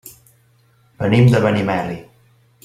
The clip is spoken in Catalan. Venim de Benimeli.